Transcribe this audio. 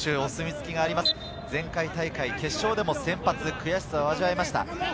前回大会決勝でも先発、悔しさを味わいました。